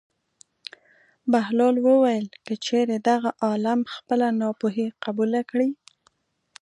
بهلول وویل: که چېرې دغه عالم خپله ناپوهي قبوله کړي.